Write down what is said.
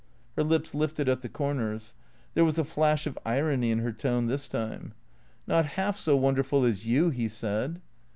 (Her lips lifted at the corners. There was a flash of irony in her tone, this time.) " Not half so wonderful as you," he said.